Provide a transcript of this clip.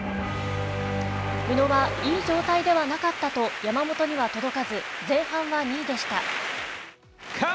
宇野はいい状態ではなかったと、山本には届かず、前半は２位でした。